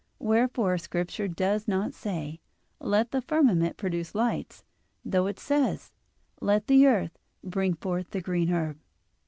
Wherefore Scripture does not say: "Let the firmament produce lights," though it says: "Let the earth bring forth the green herb."